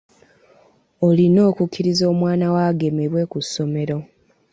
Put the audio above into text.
Olina okukkiriza omwana wo agemebwe ku ssomero.